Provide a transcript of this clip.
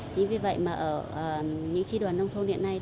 chính vì vậy mà ở những tri đoàn nông thôn hiện nay